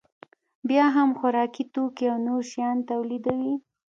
بیا هم خوراکي توکي او نور شیان تولیدوي